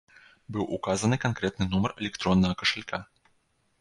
Быў указаны канкрэтны нумар электроннага кашалька.